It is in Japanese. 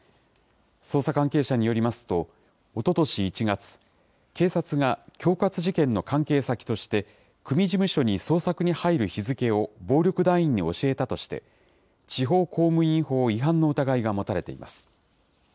捜査関係者によりますと、おととし１月、警察が恐喝事件の関係先として、組事務所に捜索に入る日付を暴力団員に教えたとして、地方公務員法違反の疑いが持たれています。